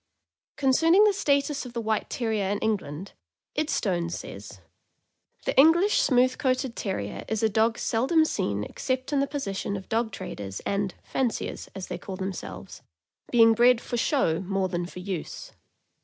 Concerning the status of the White Terrier in England, " Idstone" says: The English smooth coated Terrier is a dog seldom seen except in the pos session of dog traders and "fanciers," as they call themselves, being bred for show more than for use.